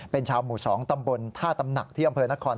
เป็นชาวหมู่๒ตำบลท่าตำหนักที่อำเภอนคร